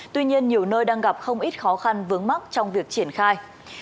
tuy nhiên nhiều nơi đang gặp không ít khó khăn vướng mắt trong việc triển khai